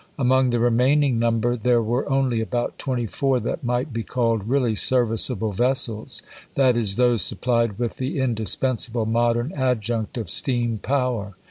Among the remaining num ber there were only about twenty four that might be called really serviceable vessels, that is, those supplied with the indispensable modern adjunct of steam power.